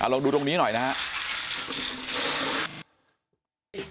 ลองดูตรงนี้หน่อยนะครับ